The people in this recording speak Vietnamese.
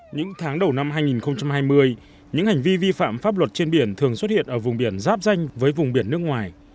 những tháng đầu năm hai nghìn hai mươi những hành vi vi phạm pháp luật trên biển thường xuất hiện ở vùng biển giáp danh với vùng biển nước ngoài